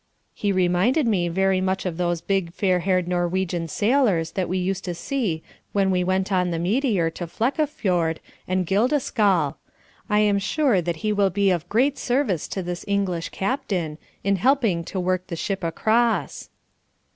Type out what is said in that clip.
He reminded me very much of those big fair haired Norwegian sailors that we used to see when we went on the Meteor to Flekkefyord and Gildeskaale. I am sure that he will be of great service to this English captain, in helping to work the ship across.